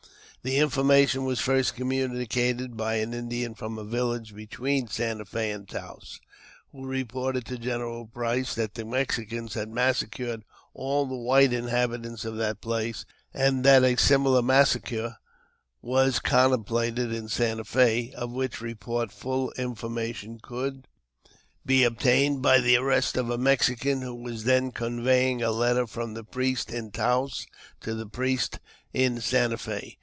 The information was first communicated by an Indian from a village between Santa Fe and Taos, who reported to General Price that the Mexicans had massacred all the white inhabitants of that place, and that a similar massacre was ■contemplated in Santa Fe, of which report full information could be obtained by the arrest of a Mexican who was then conveying a letter from the priest in Taos to the priest in Santa Fe.